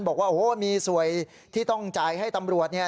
บอกว่าโอ้โหมีสวยที่ต้องจ่ายให้ตำรวจเนี่ย